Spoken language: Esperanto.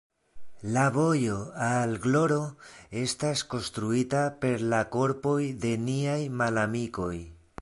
La vojo al gloro estas konstruita per la korpoj de niaj malamikoj.